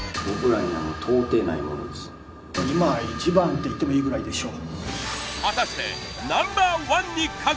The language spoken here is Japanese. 今一番と言ってもいいぐらいでしょう。